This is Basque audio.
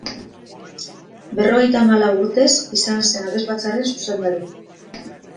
Berrogeita hamalau urtez izan zen abesbatzaren zuzendari.